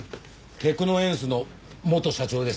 テクノエンスの元社長です。